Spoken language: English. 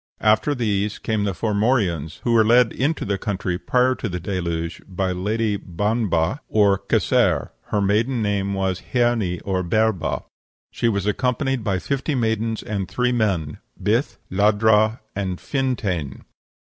After these came the Formorians, who were led into the country prior to the Deluge by the Lady Banbha, or Kesair; her maiden name was h'Erni, or Berba; she was accompanied by fifty maidens and three men Bith, Ladhra, and Fintain.